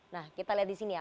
nah kita lihat disini